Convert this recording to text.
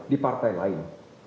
di partai lain